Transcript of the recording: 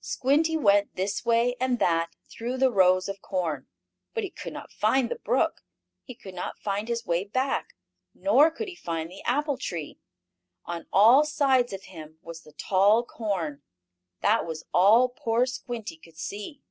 Squinty went this way and that, through the rows of corn, but he could not find the brook. He could not find his way back, nor could he find the apple tree. On all sides of him was the tall corn. That was all poor Squinty could see.